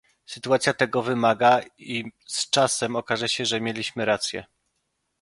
Sytuacja tego wymaga i z czasem okaże się, że mieliśmy rację